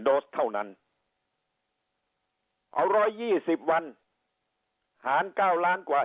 โดสเท่านั้นเอาร้อยยี่สิบวันหาร่านเก้าล้านกว่า